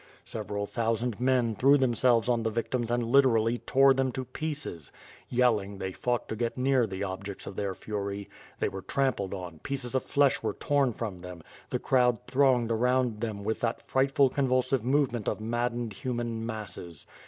Several thousand men threw them selves on the victims and literally tore them to pieces. Yell ing, they fought to get near the objects of their fury. They were trampled on, pieces of flesh were torn from them, the crowd thronged around them with that frightful convulsive movement of maddened human masses.